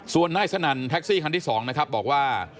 ส่วนนายสนั่นแท็กซี่คันที่๒นะครับบอกว่า